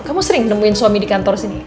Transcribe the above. kamu sering nemuin suami di kantor sini